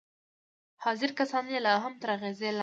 حاضر کسان يې لا هم تر اغېز لاندې وو.